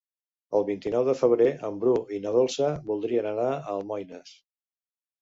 El vint-i-nou de febrer en Bru i na Dolça voldrien anar a Almoines.